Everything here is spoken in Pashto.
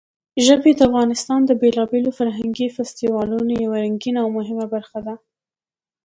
ژبې د افغانستان د بېلابېلو فرهنګي فستیوالونو یوه رنګینه او مهمه برخه ده.